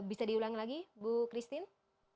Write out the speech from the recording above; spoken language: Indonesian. bisa diulang lagi bu christine